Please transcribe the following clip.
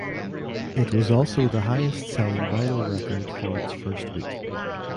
It was also the highest selling vinyl record for its first week.